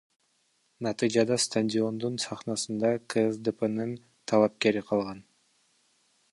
Натыйжада стадиондун сахнасында КСДПнын талапкери калган.